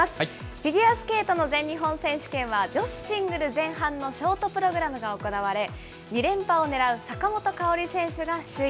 フィギュアスケートの全日本選手権は、女子シングル前半のショートプログラムが行われ、２連覇をねらう坂本花織選手が首位。